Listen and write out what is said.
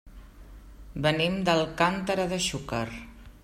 Venim d'Alcàntera de Xúquer.